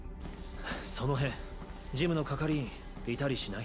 その辺ジムの係員いたりしない？